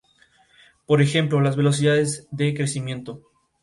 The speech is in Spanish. Es además el centro económico, social y cultural más importante del Valle de Traslasierra.